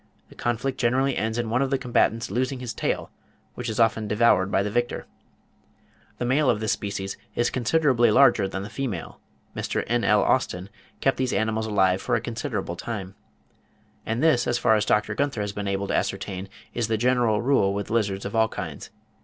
The conflict generally ends in one of the combatants losing his tail, which is often devoured by the victor." The male of this species is considerably larger than the female (65. Mr. N.L. Austen kept these animals alive for a considerable time; see 'Land and Water,' July 1867, p. 9.); and this, as far as Dr. Gunther has been able to ascertain, is the general rule with lizards of all kinds.